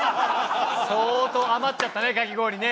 相当余っちゃったね「かき氷」ね。